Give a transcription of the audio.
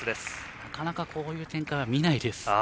なかなかこういう展開は見ないです。